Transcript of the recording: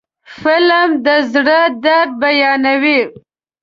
فلم د زړه درد بیانوي